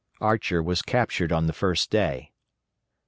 Archer was captured on the first day.